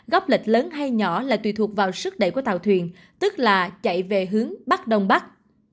góc lịch lớn hay nhỏ là tùy thuộc vào sức đẩy của tàu thuyền tức là chạy về hướng bắc đông bắc